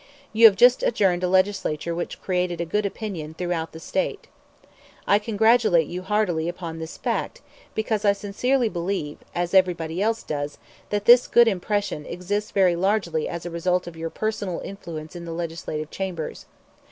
... You have just adjourned a Legislature which created a good opinion throughout the State. I congratulate you heartily upon this fact because I sincerely believe, as everybody else does, that this good impression exists very largely as a result of your personal influence in the Legislative chambers.